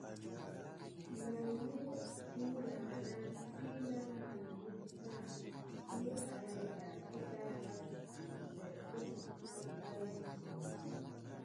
Nawuye denaha si na mane metita di anayant sika vas si def nawa pay wumti.